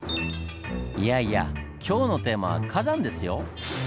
いやいや今日のテーマは「火山」ですよ。